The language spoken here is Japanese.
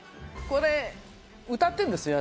これ歌ってるんですよ